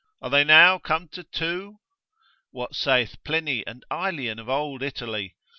Are they now come to two? What saith Pliny and Aelian of old Italy?